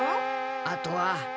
あとは。